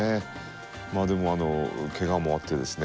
まあでもけがもあってですね